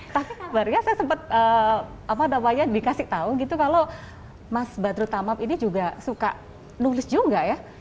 tapi kemarin saya sempat dikasih tahu gitu kalau mas badrut tamab ini juga suka nulis juga ya